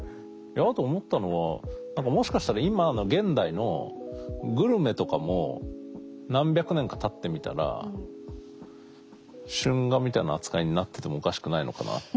あと思ったのはもしかしたら今現代のグルメとかも何百年かたってみたら春画みたいな扱いになっててもおかしくないのかなっていう。